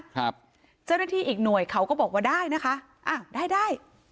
เจ้าหน้าที่อีกหน่วยเขาก็บอกว่าได้นะคะอ้าวได้ได้